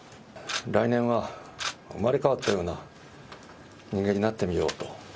来年は生まれ変わったような人間になってみようと。